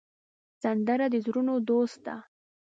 سندره د زړونو دوست ده